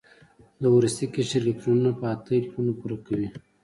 د وروستي قشر الکترونونه په اته الکترونونو پوره کوي.